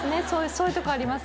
そういうとこあります